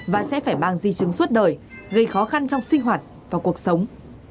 và sẽ phải mang di chứng suốt đời gây khó khăn trong sinh hoạt và cuộc sống